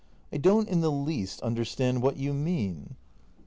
] I don't in the least understand what you mean.